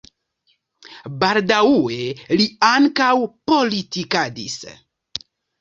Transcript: Baldaŭe li ankaŭ politikadis.